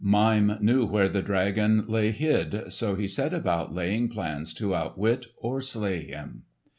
Mime knew where the dragon lay hid, so he set about laying plans to outwit or slay him.